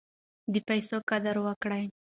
د پیسو قدر وکړئ.